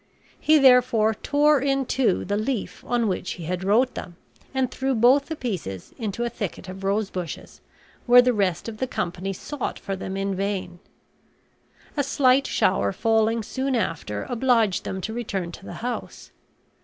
He therefore tore in two the leaf on which he had wrote them, and threw both the pieces into a thicket of rosebushes, where the rest of the company sought for them in vain. A slight shower falling soon after obliged them to return to the house.